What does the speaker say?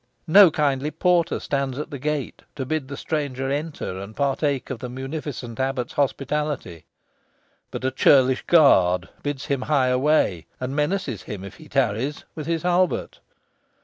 No kindly porter stands at the gate, to bid the stranger enter and partake of the munificent abbot's hospitality, but a churlish guard bids him hie away, and menaces him if he tarries with his halbert.